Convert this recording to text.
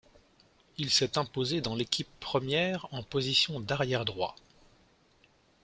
Il s'est imposé dans l'équipe première en position d'arrière droit.